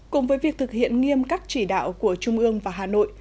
cùng với việc thực hiện nghiêm các chỉ đạo của trung ương và hà nội